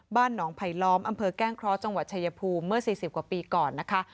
บ้านหนองไผลล้อมอำเภอแก้งเคราะห์จังหวัดชายภูมิเมื่อ๔๐กว่าปีก่อนนะคะ